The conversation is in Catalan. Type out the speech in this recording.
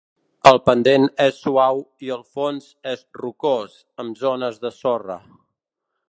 El pendent és suau i el fons és rocós amb zones de sorra.